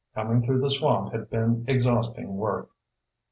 Coming through the swamp had been exhausting work.